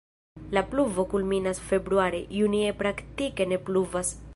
La pluvo kulminas februare, junie praktike ne pluvas.